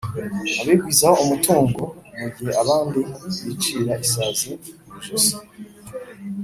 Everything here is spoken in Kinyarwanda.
abigwizaho umutungo, mu gihe abandi bicira isazi mu jisho.